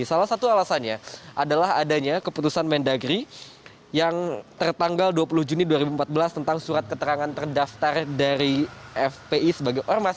salah satu alasannya adalah adanya keputusan mendagri yang tertanggal dua puluh juni dua ribu empat belas tentang surat keterangan terdaftar dari fpi sebagai ormas